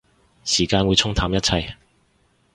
時間會沖淡一切